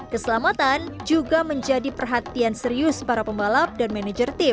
keselamatan juga menjadi perhatian serius para pembalap dan manajer tim